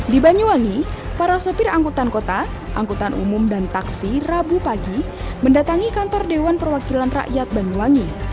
di banyuwangi para sopir angkutan kota angkutan umum dan taksi rabu pagi mendatangi kantor dewan perwakilan rakyat banyuwangi